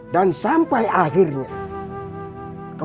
dan sampai akhirnya